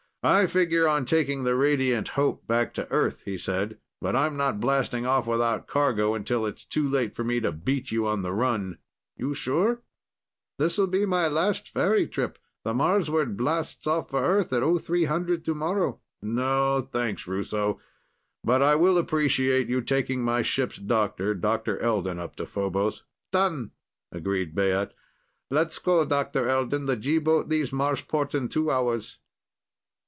"I figure on taking the Radiant Hope back to Earth," he said. "But I'm not blasting off without cargo until it's too late for me to beat you on the run." "You sure? This'll be my last ferry trip. The Marsward blasts off for Earth at 0300 tomorrow." "No, thanks, Russo. But I will appreciate your taking my ship's doctor, Dr. Elden, up to Phobos." "Done!" agreed Baat. "Let's go, Dr. Elden. The G boat leaves Marsport in two hours."